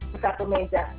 di satu meja